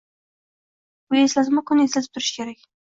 Bu eslatma kun eslatib turishi kerak.